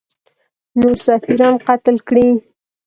نور سفیران قتل کړي.